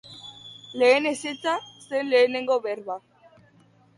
Lehen ezetza zen lehenengo berba.